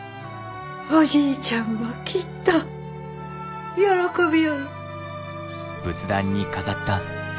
おじいちゃんもきっと喜びょうる。